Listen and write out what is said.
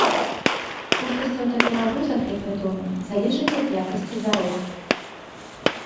Хуткасць аўтаперавозак, як вядома, залежыць ад якасці дарог.